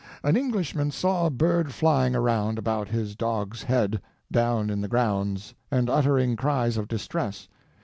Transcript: An Englishman saw a bird flying around about his dog's head, down in the grounds, and uttering cries of distress.